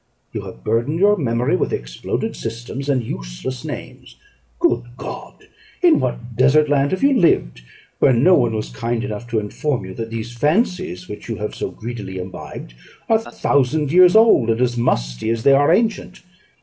You have burdened your memory with exploded systems and useless names. Good God! in what desert land have you lived, where no one was kind enough to inform you that these fancies, which you have so greedily imbibed, are a thousand years old, and as musty as they are ancient?